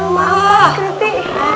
maaf pak siti